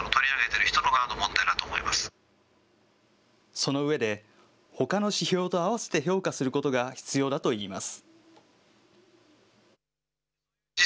その上で、ほかの指標と合わせて評価することが必要だといいます。